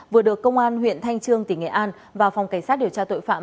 vừa được công an huyện thanh trương tỉnh nghệ an và phòng cảnh sát điều tra tội phạm